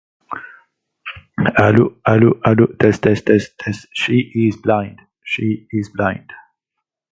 She is blind.